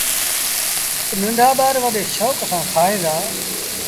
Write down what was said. تا ننڍآ ٻآروڏي شوڪ سآݩ کائيٚݩ دآ۔